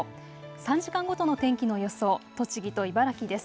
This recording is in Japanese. ３時間ごとの天気の予想、栃木と茨城です。